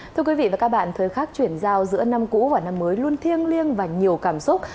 thưa quý vị và các bạn thời khắc chuyển giao giữa năm cũ và năm mới luôn thiêng liêng và nhiều cảm xúc